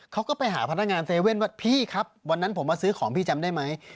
เขาก็ไปหาพนักงาน๗๑๑ว่าพี่ครับวันนั้นผมมาซื้อของพี่จำได้ไหม